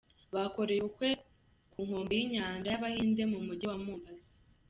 Bakoreye ubukwe ku nkombe y'inyanja y'Abahinde mu mujyi wa Mombasa.